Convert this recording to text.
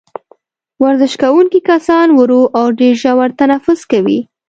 ورزش کوونکي کسان ورو او ډېر ژور تنفس کوي.